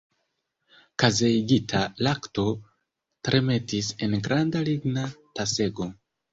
Kazeigita lakto tremetis en granda ligna tasego.